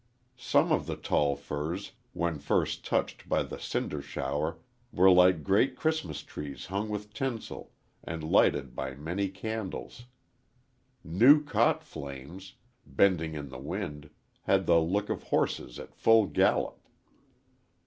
Some of the tall firs, when first touched by the cinder shower, were like great Christmas trees hung with tinsel and lighted by many candles. New caught flames, bending in the wind, had the look of horses at full gallop.